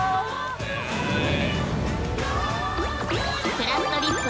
「ぷらっとりっぷ」。